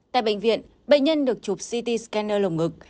tại bệnh viện bệnh nhân được chụp ct scanner lồng ngực